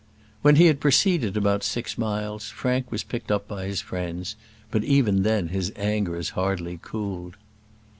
When he had proceeded about six miles, Frank was picked up by his friends; but even then his anger had hardly cooled.